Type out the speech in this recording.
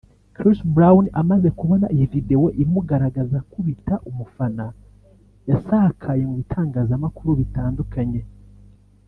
Chris Brown amaze kubona iyi video imugaragaza akubita umufana yasakaye mu bitangazamakuru bitandukanye